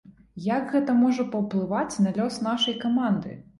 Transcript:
Як гэта можа паўплываць на лёс нашай каманды?